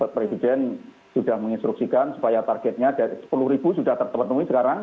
presiden sudah menginstruksikan supaya targetnya sepuluh ribu sudah terpenuhi sekarang